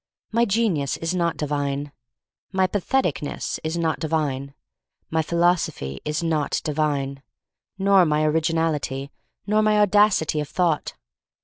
My genius is not divine. My patheticness is not divine. My philosophy is not divine, nor my originality, nor my audacity of thought.